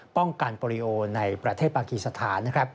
ป้องกันโปรลิโอในประเทศปากีสถาน